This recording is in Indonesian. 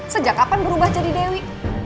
sejak kapan berubah jadi dewi